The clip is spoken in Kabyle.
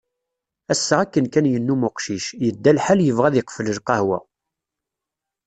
Ass-a akken kan yennum uqcic, yedda lḥal yebɣa ad iqfel lqahwa.